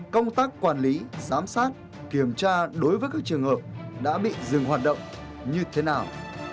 công tác quản lý giám sát kiểm tra đối với các trường hợp đã bị dừng hoạt động như thế nào